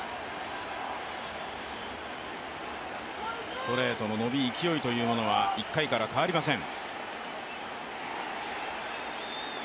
ストレートの伸び、勢いというものは１回から変わりません。